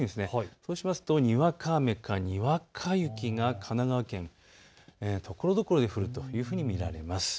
そうしますとにわか雨かにわか雪が神奈川県ところどころで降るというふうに見られます。